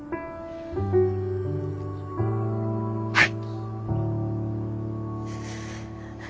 はい。